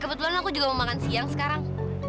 kebetulan aku juga mau makan siang sekarang